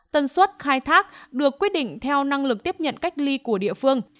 tân suất khai thác được quyết định theo năng lực tiếp nhận cách ly của địa phương